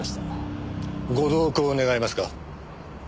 ご同行願えますか？